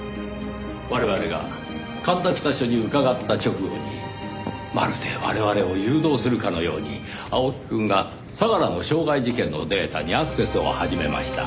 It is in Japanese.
我々が神田北署に伺った直後にまるで我々を誘導するかのように青木くんが相良の傷害事件のデータにアクセスを始めました。